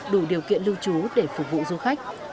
đủ điều kiện lưu trú để phục vụ du khách